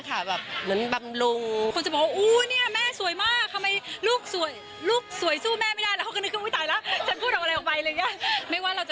แค่ไหนคุณแม่คิดว่า